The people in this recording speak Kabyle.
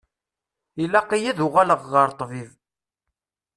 Ilaq-iyi ad uɣaleɣ ɣer ṭṭbib.